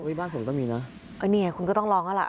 อุ้ยบ้านผมต้องมีน่ะเออเนี้ยคุณก็ต้องลองน่ะล่ะ